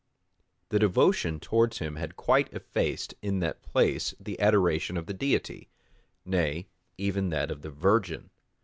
The devotion towards him had quite effaced in that place the adoration of the Deity; nay, even that of the Virgin.